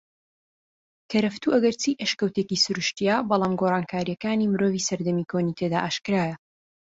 کەرەفتوو ئەگەرچی ئەشکەوتێکی سرووشتیە بەلام گۆڕانکاریەکانی مرۆڤی سەردەمی کۆنی تێدا ئاشکرایە